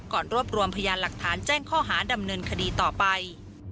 รวบรวมพยานหลักฐานแจ้งข้อหาดำเนินคดีต่อไป